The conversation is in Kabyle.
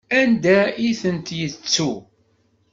Anda i tent-yettu?